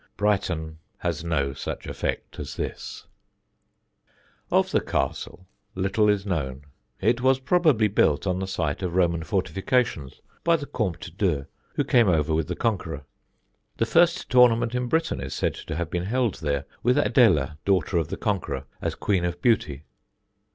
Brighton has no such effect as this. [Sidenote: THE FIRST TOURNAMENT] Of the Castle little is known. It was probably built on the site of Roman fortifications, by the Comte d'Eu, who came over with the Conqueror. The first tournament in England is said to have been held there, with Adela, daughter of the Conqueror, as Queen of Beauty.